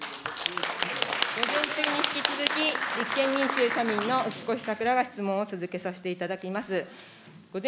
午前中に引き続き、立憲民主・社民の打越さく良が続けさせていただきます。